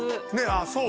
そう。